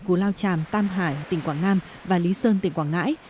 cù lao tràm tam hải tỉnh quảng nam và lý sơn tỉnh quảng ngãi